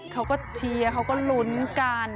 เขาก็เชียร์เขาก็ลุ้นกัน